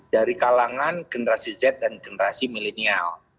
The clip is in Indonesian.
dari kalangan generasi z dan generasi milenial